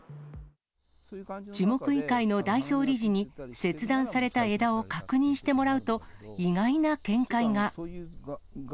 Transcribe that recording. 樹木医会の代表理事に、切断された枝を確認してもらうと、意外な見解が。